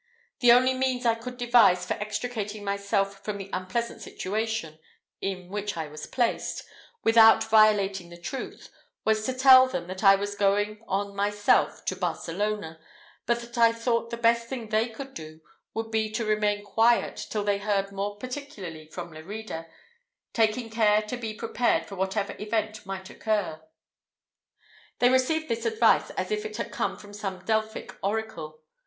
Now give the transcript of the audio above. The only means I could devise for extricating myself from the unpleasant situation in which I was placed, without violating the truth, was to tell them, that I was going on myself to Barcelona, but that I thought the best thing they could do, would be to remain quiet till they heard more particularly from Lerida, taking care to be prepared for whatever event might occur. They received this advice as if it had come from the Delphic Oracle.